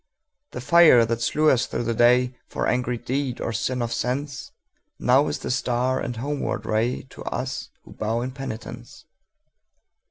The fire that slew us through the dayFor angry deed or sin of senseNow is the star and homeward rayTo us who bow in penitence.